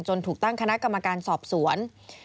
ถูกตั้งคณะกรรมการสอบสวน